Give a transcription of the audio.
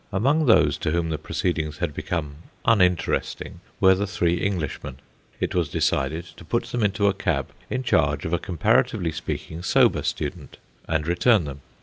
Among those to whom the proceedings had become uninteresting were the three Englishmen. It was decided to put them into a cab in charge of a comparatively speaking sober student, and return them.